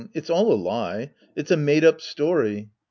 It's all a lie. It's a made up story.